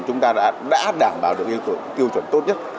chúng ta đã đảm bảo được tiêu chuẩn tốt nhất